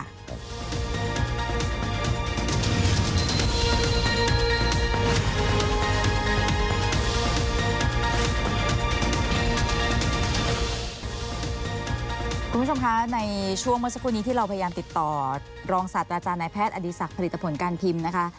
คุณผู้ชมคะในช่วงเมื่อสักครู่นี้ที่เราพยายามติดต่อรองศาสตราจารย์นายแพทย์อดีศักดิ์ผลิตผลการพิมพ์นะคะ